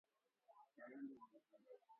Mimina viazi ulivyokata kwenye sufuria